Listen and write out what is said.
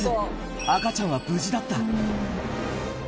赤ちゃんは無事だった。